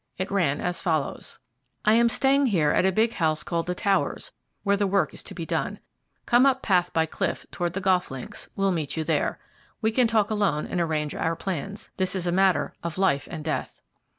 It ran as follows: "I am staying here at a big house called the Towers, where the work is to be done. Come up path by cliff towards the golf links. Will meet you there. We can talk alone and arrange our plans. This is a matter of life and death."